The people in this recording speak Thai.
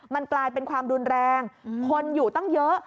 มันกลายเป็นความรุนแรงคนอยู่ตั้งเยอะ